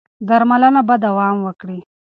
درملنه به دوام وکړي.